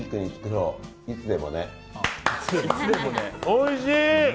おいしい！